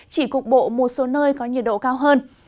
chỉ cục bộ một số nơi có nhiệt độ cao hơn